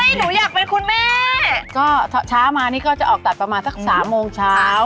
หนูอยากเป็นคุณแม่ก็เช้ามานี่ก็จะออกตัดประมาณสักสามโมงเช้า